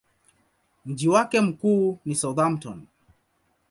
Mji wake mkuu ni Southampton.